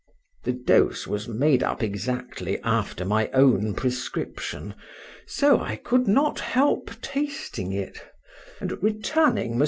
The dose was made up exactly after my own prescription; so I could not help tasting it,—and, returning Mons.